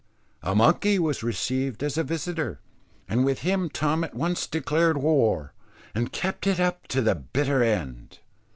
A monkey was received as a visitor, and with him Tom at once declared war, and kept it up to the bitter end.